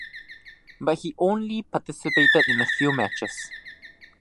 But he only participated in a few matches.